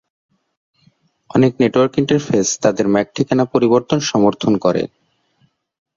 অনেক network interface তাদের MAC ঠিকানা পরিবর্তন সমর্থন করে।